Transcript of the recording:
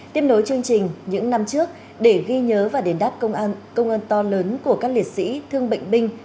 tiếp nối chương trình những năm trước để ghi nhớ và đền đáp công ơn to lớn của các liệt sĩ thương bệnh binh